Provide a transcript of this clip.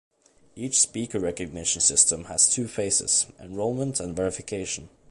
Each "speaker recognition" system has two phases: Enrollment and verification.